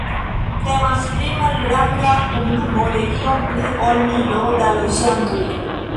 Temas pri malgranda komunumo de iom pli ol milo da loĝantoj.